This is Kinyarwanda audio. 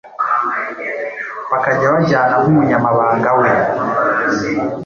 bakajya bajyana nk'umunyabanga we